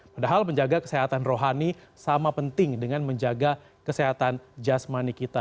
padahal menjaga kesehatan rohani sama penting dengan menjaga kesehatan jasmani kita